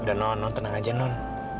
udah non non tenang aja non